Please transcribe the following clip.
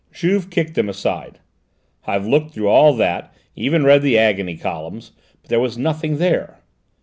Juve kicked them aside. "I've looked through all that, even read the agony columns, but there was nothing there."